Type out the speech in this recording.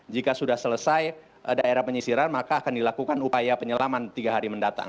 jika sudah selesai daerah penyisiran maka akan dilakukan upaya penyelaman tiga hari mendatang